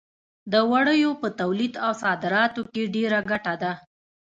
د وړیو په تولید او صادراتو کې ډېره ګټه ده.